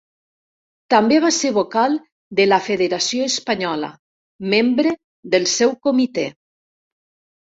També va ser vocal de la Federació Espanyola, membre del seu Comitè.